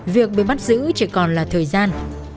việc bị bắt giữ chỉ còn là thời gian